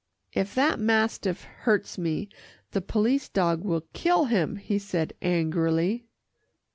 "If that mastiff hurts me, the police dog will kill him," he said angrily.